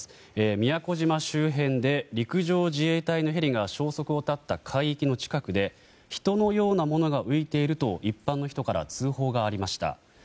宮古島周辺で陸上自衛隊のヘリが消息を絶った海域の近くで人のようなものが浮いていると一般の人から通報がありました。